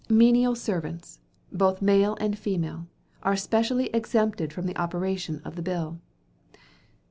Menial servants, both male and female, are specially exempted from the operation of the bill.